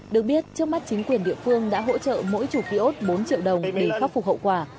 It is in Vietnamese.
được biết trước mắt chính quyền địa phương đã hỗ trợ mỗi chủ ký ốt bốn triệu đồng để khắc phục hậu quả